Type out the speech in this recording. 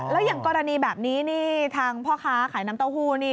แล้วอย่างกรณีแบบนี้นี่ทางพ่อค้าขายน้ำเต้าหู้นี่